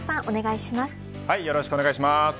お願いします。